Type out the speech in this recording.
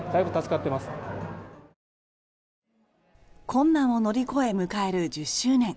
困難を乗り越え、迎える１０周年。